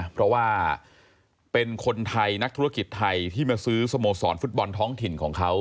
เพราะว่าเป็นคนไทยนักธุรกิจไทยที่มาซื้อสโมสรฟุตบอลท้องถิ่นของเขา